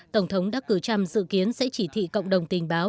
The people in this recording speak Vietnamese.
tổng thống đắc cử trump dự kiến sẽ chỉ thị cộng đồng tình báo